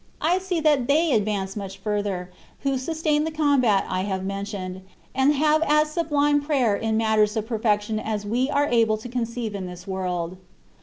I see that they advance much further, who sustain the combat I have mentioned, and have as sublime prayer in matters of perfection as we are able to conceive in this world.